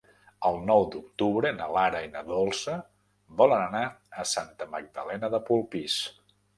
El nou d'octubre na Lara i na Dolça volen anar a Santa Magdalena de Polpís.